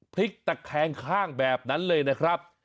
พลิกตะแคงข้างแบบนั้นเลยนะครับ